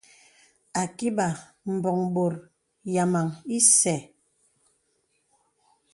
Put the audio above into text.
Ākibà mbɔ̀ŋ bòt yàmaŋ ìsɛ̂.